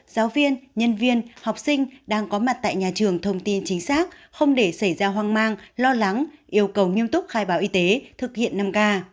giáo viên nhân viên học sinh đang có mặt tại nhà trường thông tin chính xác không để xảy ra hoang mang lo lắng yêu cầu nghiêm túc khai báo y tế thực hiện năm k